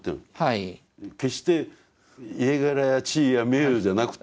決して家柄や地位や名誉じゃなくて命を伝えてる。